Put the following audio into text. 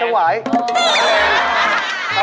นะครับพระพระ